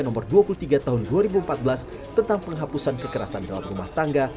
nomor dua puluh tiga tahun dua ribu empat belas tentang penghapusan kekerasan dalam rumah tangga